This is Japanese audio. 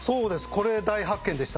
これ大発見でした。